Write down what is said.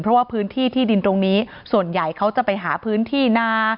เพราะว่าพื้นที่ที่ดินตรงนี้ส่วนใหญ่เขาจะไปหาพื้นที่นา